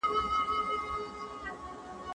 ولي د بشپړتیا تمه رواني روغتیا ته ستر ګواښ دی؟